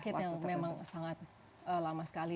itu penyakit yang memang sangat lama sekali